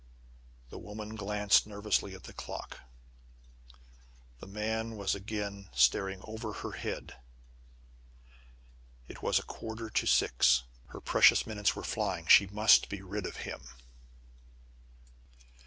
The woman glanced nervously at the clock. The man was again staring over her head. It was quarter to six. Her precious minutes were flying. She must be rid of him!